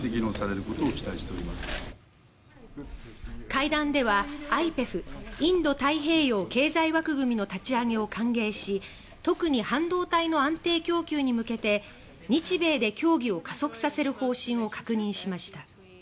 会談ではＩＰＥＦ・インド太平洋経済枠組みの立ち上げを歓迎し特に半導体の安定供給に向けて日米で協議を加速させる方針を確認しました。